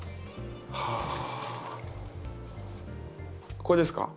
ここですか？